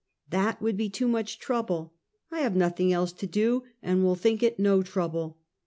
"That would be too much trouble!" " I have nothing else to do, and will think it no trouble!"